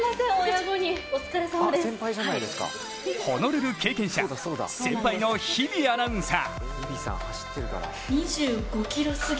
ホノルル経験者、先輩の日比アナウンサー。